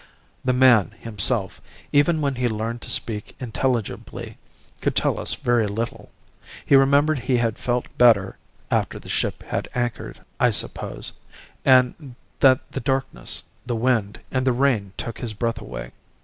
The man himself, even when he learned to speak intelligibly, could tell us very little. He remembered he had felt better (after the ship had anchored, I suppose), and that the darkness, the wind, and the rain took his breath away.